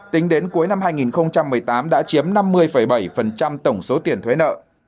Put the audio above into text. tính đến cuối năm hai nghìn một mươi tám đã chiếm năm mươi bảy tổng số tiền thuế nợ